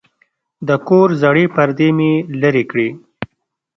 د کور زړې پردې مې لرې کړې.